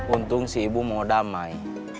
untung si ibu mau damai